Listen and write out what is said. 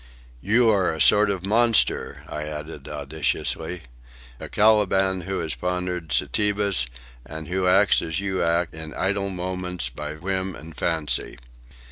'" "You are a sort of monster," I added audaciously, "a Caliban who has pondered Setebos, and who acts as you act, in idle moments, by whim and fancy."